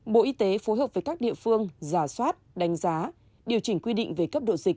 bộ y tế phối hợp với các địa phương giả soát đánh giá điều chỉnh quy định về cấp độ dịch